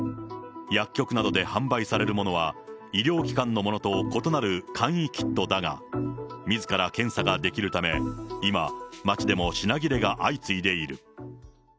薬局などで販売されるものは、医療機関のものと異なる簡易キットだが、みずから検査ができるため、今、街でも品切れが相次いでいる。